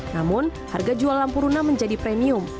namun harga jual lampu runa menjadi premium